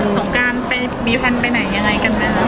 สงการมีแพลนไปไหนยังไงกันนะ